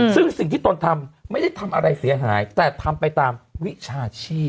ซึ่งสิ่งที่ตนทำไม่ได้ทำอะไรเสียหายแต่ทำไปตามวิชาชีพ